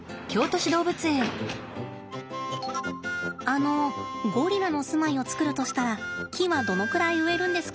あのゴリラの住まいを作るとしたら木はどのくらい植えるんですか？